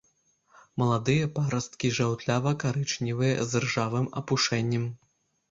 Маладыя парасткі жаўтлява-карычневыя, з іржавым апушэннем.